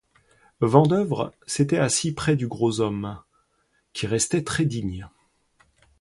Vandeuvres s'était assis près du gros homme, qui restait très digne.